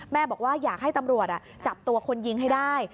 บอกว่าอยากให้ตำรวจจับตัวคนยิงให้ได้